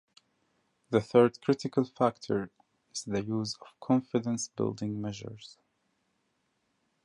The third critical factor is the use of confidence-building measures.